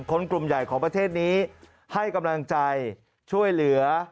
คนกลุ่มใหญ่ของประเทศนี้ให้กำลังใจช่วยเหลือ